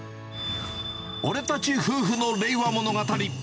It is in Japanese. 俺たち夫婦の令和物語。